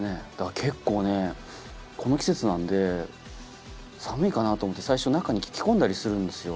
結構ねこの季節なんで寒いかなと思って最初中に着込んだりするんですよ。